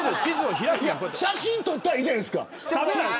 写真を撮ったらいいじゃないですか。